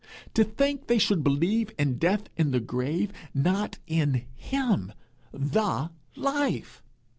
To think they should believe in death and the grave, not in him, the Life!